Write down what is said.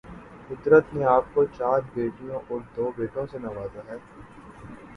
قدرت نے آپ کو چار بیٹوں اور دو بیٹیوں سے نوازا